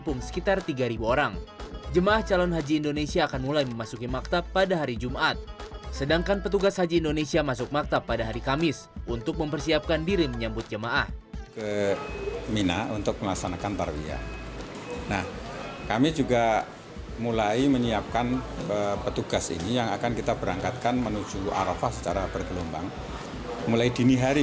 untuk mempersiapkan diri menyambut jemaah